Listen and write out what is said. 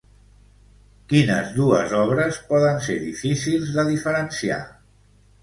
Quines dues obres poden ser difícils de diferenciar?